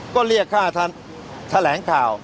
ก็เรียกค่าท่านแถลงข่าว